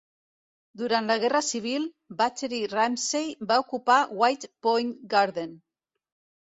Durant la Guerra Civil, Battery Ramsay va ocupar White Point Garden.